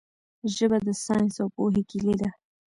ژبه د ساینس او پوهې کیلي ده.